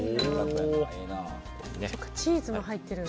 チーズも入っているんだ。